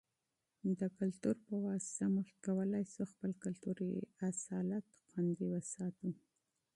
د فرهنګ په واسطه موږ کولای شو خپل کلتوري اصالت خوندي وساتو.